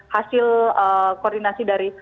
hasil koordinasi dari